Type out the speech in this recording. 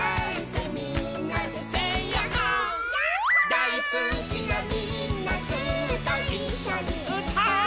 「だいすきなみんなずっといっしょにうたおう」